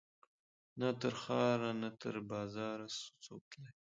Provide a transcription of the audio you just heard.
نه تر ښار نه تر بازاره سو څوک تللای